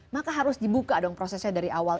maka harus dibuka dong prosesnya dari awal